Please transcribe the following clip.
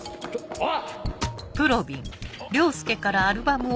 あっ。